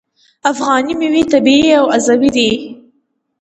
افغاني میوې طبیعي او عضوي دي.